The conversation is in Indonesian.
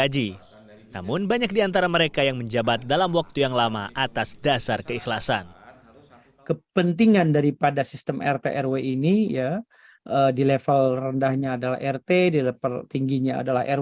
jepang jawa tengah